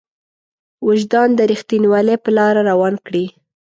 وجدان د رښتينولۍ په لاره روان کړي.